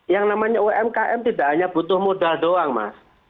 yang namanya umkm tidak hanya butuh modal doang mas